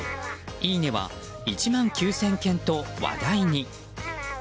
いいねは１万９０００件と話題に。